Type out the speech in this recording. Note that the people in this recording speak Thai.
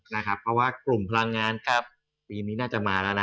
เพราะว่ากลุ่มพลังงานปีนี้น่าจะมาแล้วนะ